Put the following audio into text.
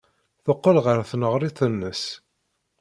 Teqqel ɣer tneɣrit-nnes.